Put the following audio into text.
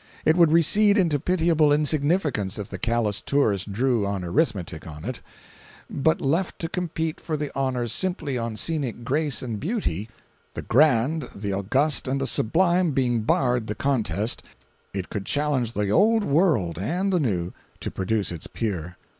It would recede into pitiable insignificance if the callous tourist drew on arithmetic on it; but left to compete for the honors simply on scenic grace and beauty—the grand, the august and the sublime being barred the contest—it could challenge the old world and the new to produce its peer.